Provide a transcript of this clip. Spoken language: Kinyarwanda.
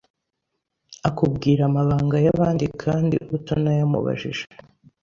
akubwira amabanga y’abandi kandi utanayamubajije